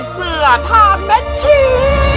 เสือถ้าเม็ดชิ้น